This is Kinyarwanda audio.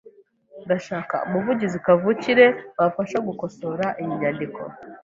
Ndashaka umuvugizi kavukire wamfasha gukosora iyi nyandiko.